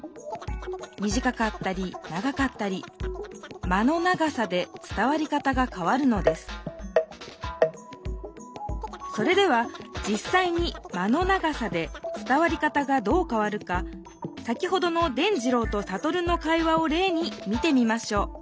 みじかかったり長かったり「間」の長さで伝わり方がかわるのですそれではじっさいに「間」の長さで伝わり方がどうかわるか先ほどの伝じろうとサトルの会話をれいに見てみましょう。